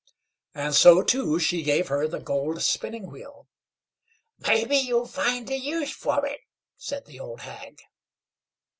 And so, too, she gave her the gold spinning wheel. "Maybe you'll find a use for it," said the old hag.